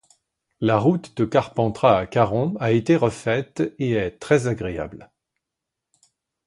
La route de Carpentras à Caromb a été refaite et est très agréable.